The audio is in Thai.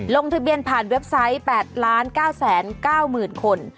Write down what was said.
ลงทะเบียนผ่านเว็บไซต์๘๙๙๐๐๐คน